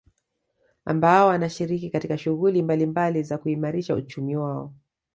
Ambao wanashiriki katika shuhguli mbalimbali za kuimarisha uchumi wao